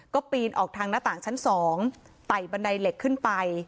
ก็ปีนออกทางหน้าต่างชั้น๒ไต่บันไดเหล็กขึ้นไป